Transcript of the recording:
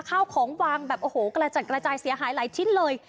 ข้าวของวางแบบโอ้โหกระจัดกระจายเสียหายหลายชิ้นเลย